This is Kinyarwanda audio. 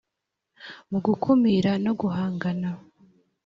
mu gukumira no guhangana